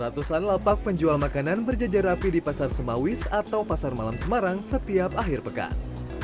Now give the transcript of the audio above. ratusan lapak penjual makanan berjajar rapi di pasar semawis atau pasar malam semarang setiap akhir pekan